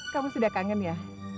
kamu sudah kangen ya